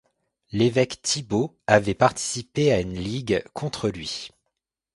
L'évêque Thibaut avait participé à une ligue contre lui.